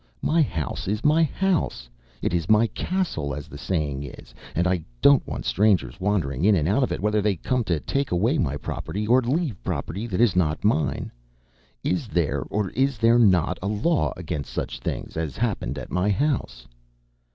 My house is my house it is my castle, as the saying is and I don't want strangers wandering in and out of it, whether they come to take away my property, or leave property that is not mine. Is there, or is there not, a law against such things as happened at my house?"